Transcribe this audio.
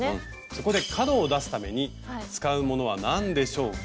そこで角を出すために使うものは何でしょうか？